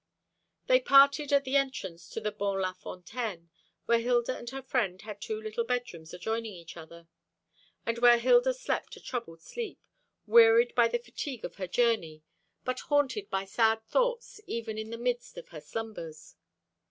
They parted at the entrance to the Bon Lafontaine, where Hilda and her friend had two little bedrooms adjoining each other, and where Hilda slept a troubled sleep, wearied by the fatigue of her journey, but haunted by sad thoughts even in the midst of her slumbers.